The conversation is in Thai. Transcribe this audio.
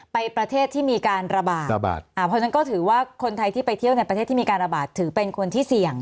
ประเทศที่มีการระบาดระบาดอ่าเพราะฉะนั้นก็ถือว่าคนไทยที่ไปเที่ยวในประเทศที่มีการระบาดถือเป็นคนที่เสี่ยง